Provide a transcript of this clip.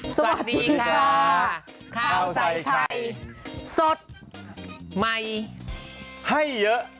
สวัสดีค่ะข้าวใส่ไข่สดใหม่ให้เยอะ